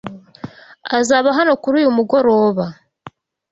Azaba hano kuri uyu mugoroba.